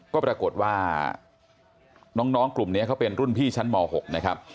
ก็ปรากฏว่าน้องกลุ่มนี้เขาเป็นรุ่นพี่ชั้นม๖นะครับ